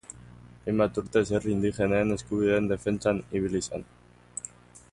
Hainbat urtez herri indigenen eskubideen defentsan ibili zen.